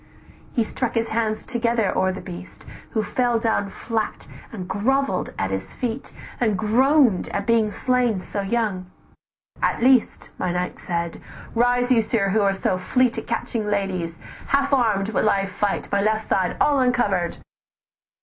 "He struck his hands together o'er the beast, Who fell down flat, and grovell'd at his feet, And groan'd at being slain so young: 'At least, "My knight said, 'Rise you, sir, who are so fleet At catching ladies, half arm'd will I fight, My left side all uncovered!